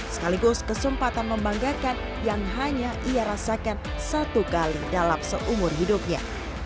sekaligus kesempatan membanggakan yang hanya ia rasakan satu kali dalam seumur hidupnya